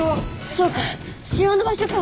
そうか腫瘍の場所か。